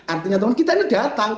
artinya kita ini datang